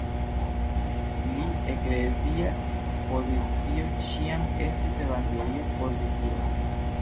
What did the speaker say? Lia eklezia pozicio ĉiam estis evangelia-pozitiva.